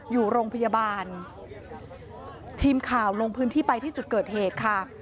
อยู่โรงพยาบาลทีมข่าวลงพื้นที่ไปที่จุดเกิดเหตุค่ะ